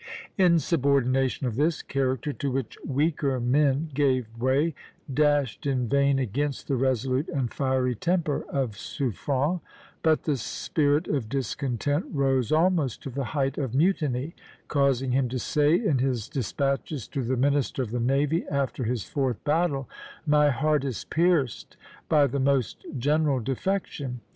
" Insubordination of this character, to which weaker men gave way, dashed in vain against the resolute and fiery temper of Suffren; but the spirit of discontent rose almost to the height of mutiny, causing him to say in his despatches to the minister of the navy, after his fourth battle: "My heart is pierced by the most general defection.